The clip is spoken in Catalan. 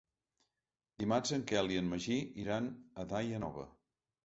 Dimarts en Quel i en Magí iran a Daia Nova.